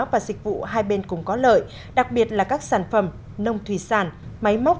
và dịch vụ hai bên cùng có lợi đặc biệt là các sản phẩm nông thủy sản máy móc